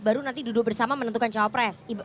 baru nanti duduk bersama menentukan jawab pres